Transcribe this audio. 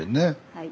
はい。